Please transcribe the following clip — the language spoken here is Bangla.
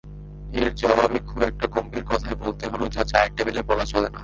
এর জবাবে খুব-একটা গম্ভীর কথাই বলতে হল যা চায়ের টেবিলে বলা চলে না।